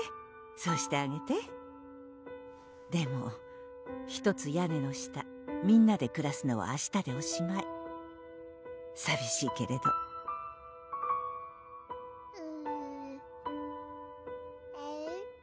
そうしてあげてでもひとつ屋根の下みんなでくらすのは明日でおしまいさびしいけれどえるえる？